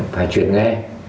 phải chuyển nghe